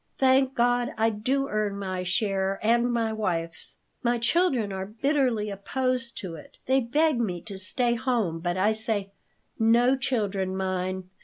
Thank God, I do earn my share and my wife's. My children are bitterly opposed to it. They beg me to stay home, but I say: 'No, children mine!